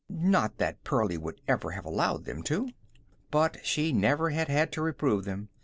Not that Pearlie would ever have allowed them to. But she never had had to reprove them.